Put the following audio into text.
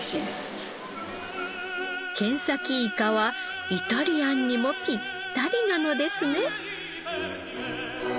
ケンサキイカはイタリアンにもぴったりなのですね！